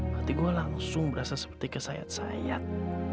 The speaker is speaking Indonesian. hati gue langsung berasa seperti kesayat sayat